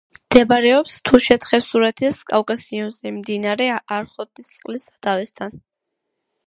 მდებარეობს თუშეთ-ხევსურეთის კავკასიონზე, მდინარე არხოტისწყლის სათავესთან.